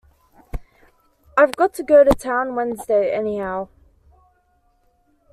I've got to go to town Wednesday, anyhow.